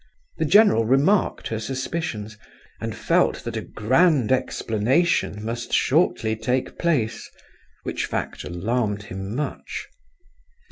The general remarked her suspicions, and felt that a grand explanation must shortly take place—which fact alarmed him much.